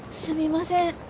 すみません。